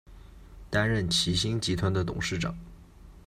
担任齐星集团的董事长。